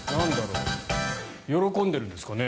喜んでるんですかね。